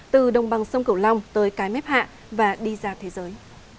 từ đồng bằng sông cửu long tới cái mép hạ và đi ra thế giới